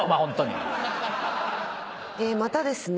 またですね